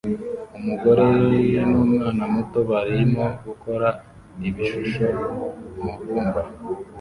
Umugore n'umwana muto barimo gukora ibishusho mubumba